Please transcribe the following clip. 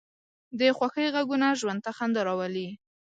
د خوښۍ غږونه ژوند ته خندا راولي